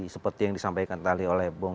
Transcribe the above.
seperti yang disampaikan tadi oleh bung